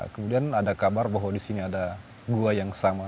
kemudian ada kabar bahwa di sini ada gua yang sama